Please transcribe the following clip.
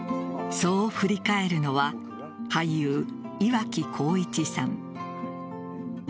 そう振り返るのは俳優・岩城滉一さん。